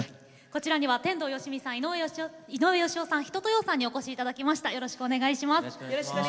こちらには天童よしみさん井上芳雄さん、一青窈さんにお越しいただきました。